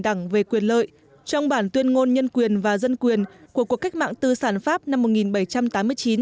kết quyền lợi trong bản tuyên ngôn nhân quyền và dân quyền của cuộc cách mạng tư sản pháp năm